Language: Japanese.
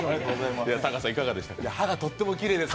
歯がとってもきれいです